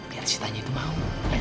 biar sita nya itu mau